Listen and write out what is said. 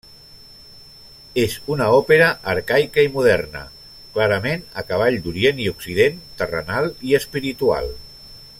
És una òpera arcaica i moderna, clarament a cavall d'orient i occident, terrenal i espiritual.